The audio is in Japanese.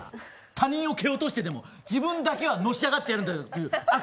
他人を蹴落としてでも自分だけはのし上がってやろうという飽く